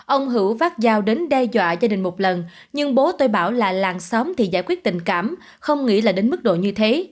ông hữu vách dao đến đe dọa gia đình một lần nhưng bố tôi bảo là làng xóm thì giải quyết tình cảm không nghĩ là đến mức độ như thế